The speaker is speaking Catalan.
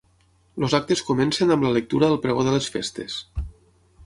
Els actes comencen amb la lectura del pregó de les festes.